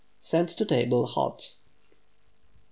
Send to table hot.